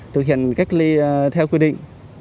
thực hiện cách ly theo quy định